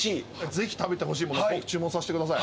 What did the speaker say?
ぜひ食べてほしいものを僕注文させてください。